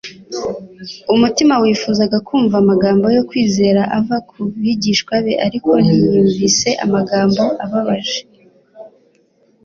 Umutima wifuzaga kumva amagambo yo kwizera ava ku bigishwa be ariko ytmvise amagambo ababaje :